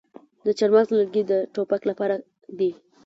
د چهارمغز لرګي د ټوپک لپاره دي.